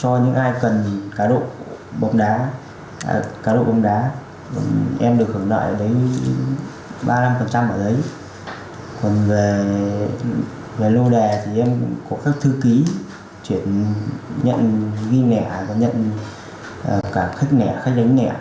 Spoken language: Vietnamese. còn về lô đề thì em cũng có các thư ký chuyển nhận ghi nẻ và nhận cả khách nẻ khách đánh nẻ